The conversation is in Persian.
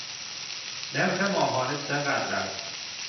نرخ ماهانه چقدر است؟